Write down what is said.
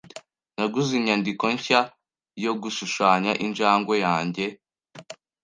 Naguze inyandiko nshya yo gushushanya injangwe yanjye.